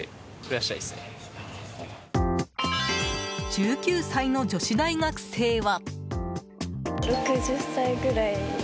１９歳の女子大学生は。